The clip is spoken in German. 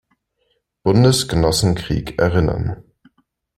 Bundesgenossenkrieg erinnern.